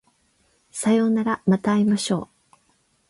さようならまた会いましょう